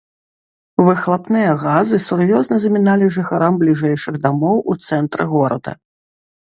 Выхлапныя газы сур'ёзна заміналі жыхарам бліжэйшых дамоў у цэнтры горада.